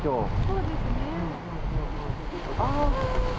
そうですね。